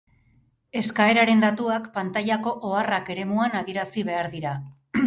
Eskaeraren datuak pantailako "Oharrak" eremuan adierazi behar dira.